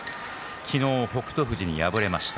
昨日、北勝富士に敗れました。